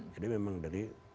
jadi memang dari